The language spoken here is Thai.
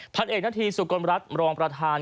พันเอ็กซ์นัดที่สุคลรัฐรองประธาน